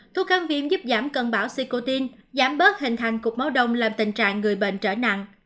thuốc kháng viêm giúp giảm cân bảo xy cô tin giảm bớt hình thành cục máu đông làm tình trạng người bệnh trở nặng